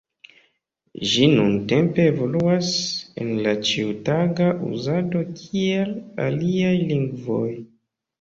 Ĝi nuntempe evoluas en la ĉiutaga uzado kiel aliaj lingvoj.